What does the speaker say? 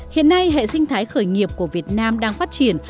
hiện nay hệ sinh thái khởi nghiệp của việt nam đang phát triển